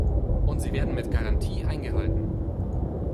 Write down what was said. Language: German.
Und sie werden mit Garantie eingehalten!